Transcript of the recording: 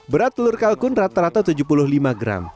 berat telur kalkun rata rata tujuh puluh lima gram